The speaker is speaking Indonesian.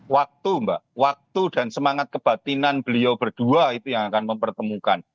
waktu mbak waktu dan semangat kebatinan beliau berdua itu yang akan mempertemukan